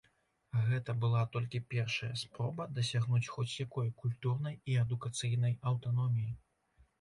Гэта была толькі першая спроба дасягнуць хоць якой культурнай і адукацыйнай аўтаноміі.